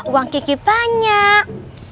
uang kiki banyak